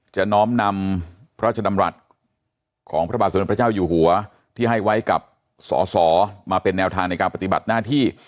น้อมนำพระราชดำรัฐของพระบาทสมเด็จพระเจ้าอยู่หัวที่ให้ไว้กับสอสอมาเป็นแนวทางในการปฏิบัติหน้าที่